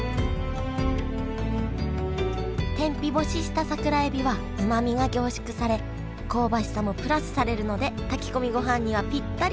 天日干しした桜えびはうまみが凝縮され香ばしさもプラスされるので炊き込みごはんにはぴったり！